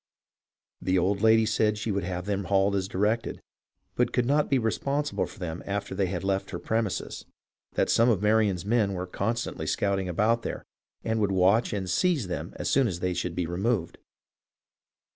The old lady said she would have them hauled as directed, but could not be responsible for them after they left her premises ; that some of Marion's men were constantly scouting about there, and would watch and seize them as soon as they should be removed.